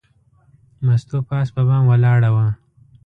مستو پاس په بام ولاړه وه.